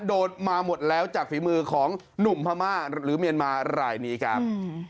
โดนมาหมดแล้วจากฝีมือของหนุ่มพม่าหรือเมียนมารายนี้ครับ